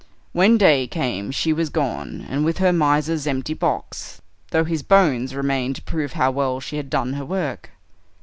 When day came she was gone, and with her the miser's empty box, though his bones remained to prove how well she had done her work.